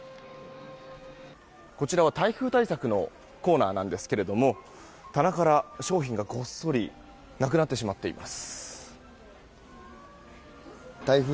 こちらは台風対策のコーナーなんですけれども棚から商品がごっそりなくなってしまっています。